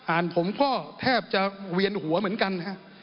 อ่านผมก็แทบจะเวียนหัวเหมือนกันนะครับ